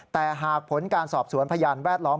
แต่หากผลการสอบสวนพยานแวดล้อม